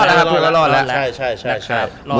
แต่ว่าจะรอดแล้วล่ะ